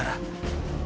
tidak ada baron